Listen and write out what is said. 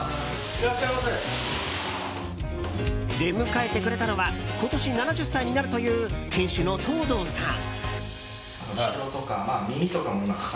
出迎えてくれたのは今年７０歳になるという店主の藤堂さん。